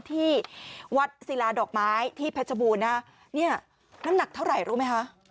ที่วัดศิลาดอกไม้ที่เพชรบูรณนะฮะเนี่ยน้ำหนักเท่าไหร่รู้ไหมคะ